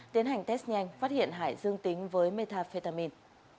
tiến hành test nhanh phát hiện hải dương tính với metafetamin